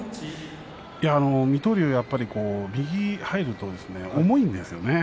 水戸龍は右が入ると重いんですよね。